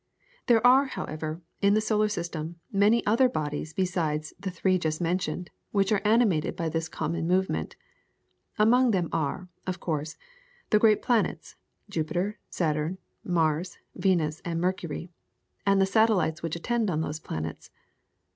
There are, however, in the solar system many other bodies besides the three just mentioned which are animated by this common movement. Among them are, of course, the great planets, Jupiter, Saturn, Mars, Venus, and Mercury, and the satellites which attend on these planets.